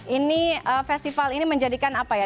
ini festival ini menjadikan apa ya